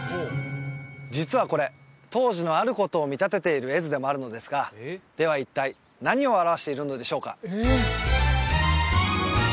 実はこれ当時のあることを見立てている絵図でもあるのですがでは一体何を表しているのでしょうか？